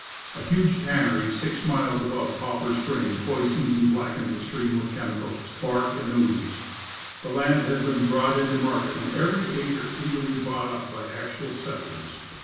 A huge tannery, six miles above Poplar Spring, poisons and blackens the stream with chemicals, bark and ooze. The land has been brought into mar ket, and every acre eagerly bought up by actual settlers.